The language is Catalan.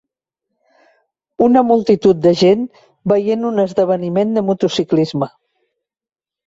Una multitud de gent veient un esdeveniment de motociclisme.